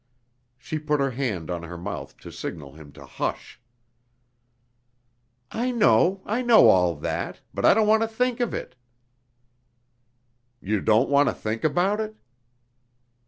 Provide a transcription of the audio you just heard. She put her hand on her mouth to signal to him to hush. "I know, I know all that, but I don't want to think of it." "You don't want to think about it?"